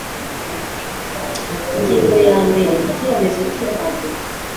Ingingo ya mbere Icyemezo cy imbago